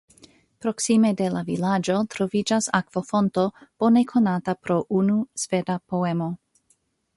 Proksime de la vilaĝo troviĝas akvofonto bone konata pro unu sveda poemo.